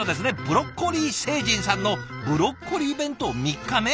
ブロッコリー星人さんの「ブロッコリー弁当３日目」？